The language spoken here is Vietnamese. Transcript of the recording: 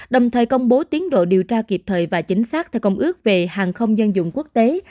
đồng thời công bố tiến độ điều tra kịp thời và chính xác theo công ước về hàng không dân dụng quốc tế